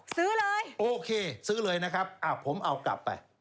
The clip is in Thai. ซื้อเลยโอเคซื้อเลยนะครับผมเอากลับไป